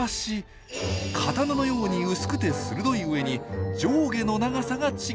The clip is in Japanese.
刀のように薄くて鋭いうえに上下の長さが違います。